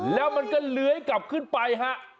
แล้วมันก็เลื้อยกลับขึ้นไปฮะ